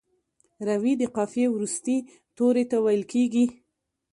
روي د قافیې وروستي توري ته ویل کیږي.